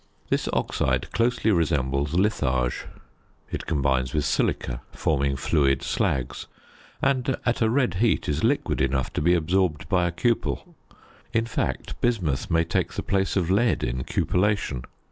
This oxide closely resembles litharge. It combines with silica, forming fluid slags; and at a red heat is liquid enough to be absorbed by a cupel; in fact, bismuth may take the place of lead in cupellation.